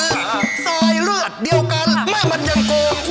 สายเลือดเดียวกันแม่มันยังโกงยังโกง